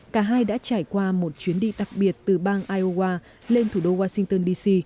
cả hai đã trải qua một chuyến đi đặc biệt từ bang iowa lên thủ đô washington dc